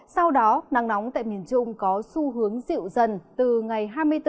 sau đó nắng nóng tại miền trung có xu hướng dịu dần từ ngày hai mươi bốn